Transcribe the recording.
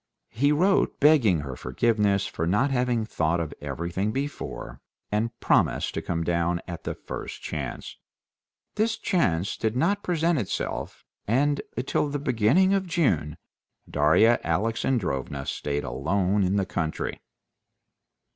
He wrote begging her forgiveness for not having thought of everything before, and promised to come down at the first chance. This chance did not present itself, and till the beginning of June Darya Alexandrovna stayed alone in the country.